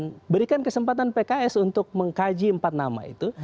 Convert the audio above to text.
berikan kesempatan pks untuk mengkaji empat nama itu